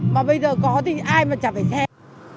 mà bây giờ có thì ai mà chả phải xem